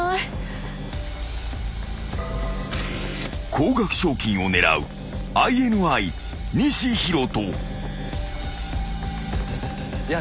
［高額賞金を狙うＩＮＩ西洸人］いや。